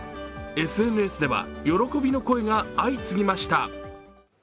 ＳＮＳでは喜びの声が相次ぎました。